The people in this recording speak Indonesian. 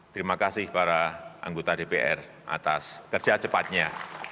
terima kasih para anggota dpr atas kerja cepatnya